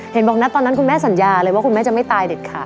เห็นบอกนะตอนนั้นคุณแม่สัญญาเลยว่าคุณแม่จะไม่ตายเด็ดขาด